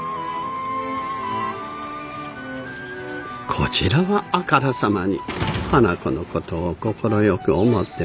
こちらはあからさまに花子の事を快く思ってませんね。